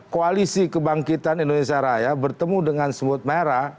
koalisi kebangkitan indonesia raya bertemu dengan semut merah